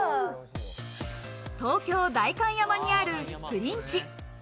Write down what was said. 東京・代官山にあるプリンチ。